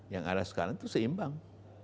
yang ada sekarang itu seimbang